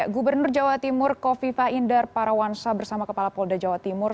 gubernur jawa timur kofifa inder parawansa bersama kepala polda jawa timur